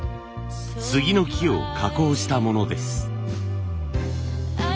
杉の木を加工したものです。